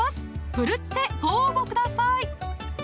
奮ってご応募ください